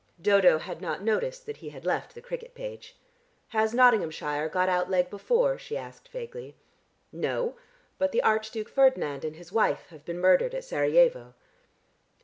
Dodo had not noticed that he had left the cricket page. "Has Nottinghamshire got out leg before?" she asked vaguely. "No. But the Archduke Ferdinand and his wife have been murdered at Serajevo."